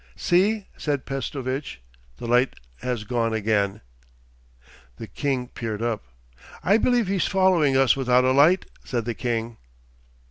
'See,' said Pestovitch, 'the light has gone again.' The king peered up. 'I believe he's following us without a light,' said the king.